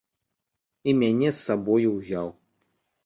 І мяне з сабою ўзяў.